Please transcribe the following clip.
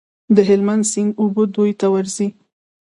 د هلمند سیند اوبه دوی ته ورځي.